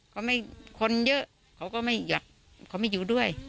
คนเยอะเขาก็ไม่อยู่ด้วย